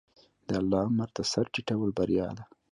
د الله امر ته سر ټیټول بریا ده.